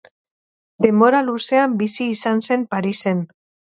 Denbora luzean bizi izan zen Parisen.